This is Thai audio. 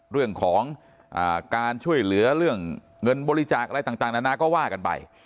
เรื่องของการช่วยเหลือเรื่องเงินบริจาคอะไรต่างนานาก็ว่ากันไป